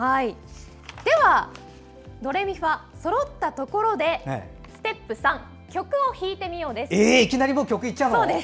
では、ドレミファがそろったところでステップ３曲を弾いてみよう！です。